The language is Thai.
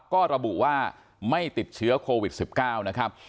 ก็ระบุว่าไม่ติดเชื้อโควิด๑๙นะครับ